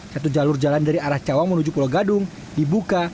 satu jalur jalan dari arah cawang menuju pulau gadung dibuka